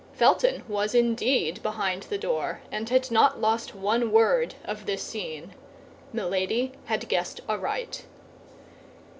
Felton was indeed behind the door, and had not lost one word of this scene. Milady had guessed aright.